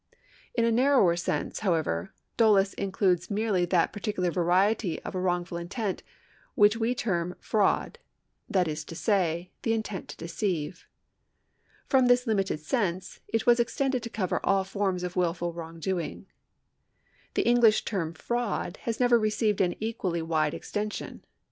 In a narrower sense, however, dolus includes merely that particular variety of wrongful intent which we term fraud — that is to say; the intent to deceive. 2 From this limited sense i't was extended to cover all forms of wilful wi'ongdoing. Tlie English terra fraud has never received an equally wide extension.